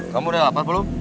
kamu udah ngapain belum